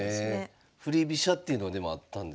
振り飛車っていうのはでもあったんですね。